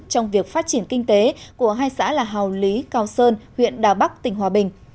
trong việc phát triển kinh tế của hai xã là hào lý cao sơn huyện đà bắc tỉnh hòa bình